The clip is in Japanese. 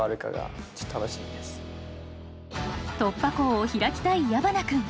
突破口を開きたい矢花君。